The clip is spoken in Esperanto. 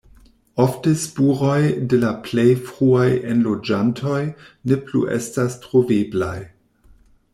Ofte spuroj de la plej fruaj enloĝantoj ne plu estas troveblaj.